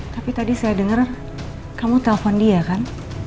tapi tadi saya dengar kamu telpon dia kan